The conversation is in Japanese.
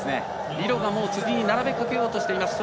李露がもう次に並びかけようとしています。